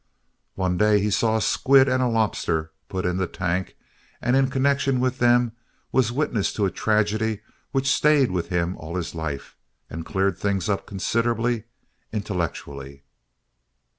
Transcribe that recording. One day he saw a squid and a lobster put in the tank, and in connection with them was witness to a tragedy which stayed with him all his life and cleared things up considerably intellectually.